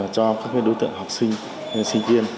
cho các đối tượng học sinh sinh viên